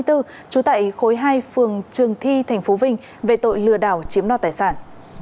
trú tại khối hai phường trường thi tp vinh về tội lừa đảo chiếm đoạt tài sản